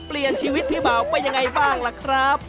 เปลี่ยนชีวิตพี่บ่าวไปยังไงบ้างล่ะครับ